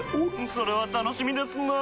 それは楽しみですなぁ。